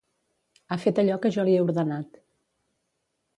Ha fet allò que jo li he ordenat.